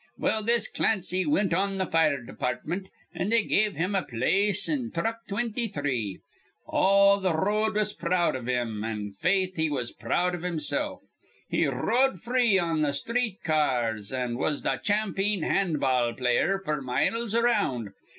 "Well, this Clancy wint on th' fire departmint, an' they give him a place in thruck twinty three. All th' r road was proud iv him, an' faith he was proud iv himsilf. He r rode free on th' sthreet ca ars, an' was th' champeen hand ball player f'r miles around.